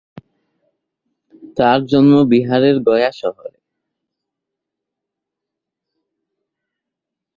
তাঁর জন্ম বিহারের গয়া শহরে।